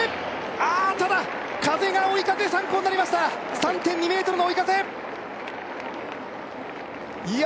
あーただ風が追い風参考になりました３．２ｍの追い風いや